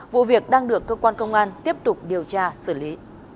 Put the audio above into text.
vụ việc đang được cơ quan công an tiếp tục điều tra xử lý